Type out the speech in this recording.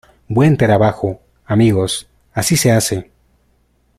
Buen trabajo, amigos. Así se hace .